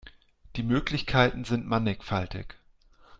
Die Möglichkeiten sind mannigfaltig.